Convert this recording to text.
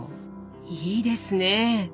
いいですね！